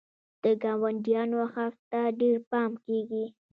د ګاونډیانو حق ته ډېر پام کیږي.